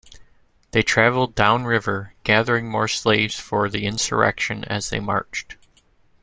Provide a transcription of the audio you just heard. They traveled downriver, gathering more slaves for the insurrection as they marched.